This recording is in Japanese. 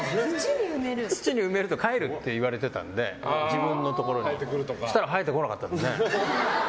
土に埋めると帰るって言われてたので自分のところに。そしたら生えてこなかったですね。